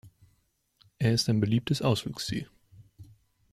Er ist ein beliebtes Ausflugsziel.